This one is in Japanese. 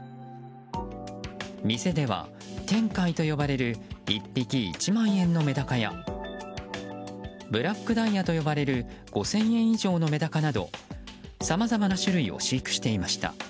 店では天界と呼ばれる１匹１万円のメダカやブラックダイヤと呼ばれる５０００円以上のメダカなどさまざまな種類を飼育していました。